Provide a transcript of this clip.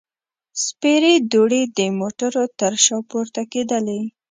سپېرې دوړې د موټرو تر شا پورته کېدلې.